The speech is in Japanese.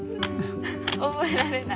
覚えられない？